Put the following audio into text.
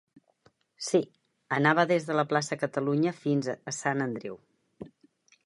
Sí, anava des de plaça Catalunya fins a Sant Andreu.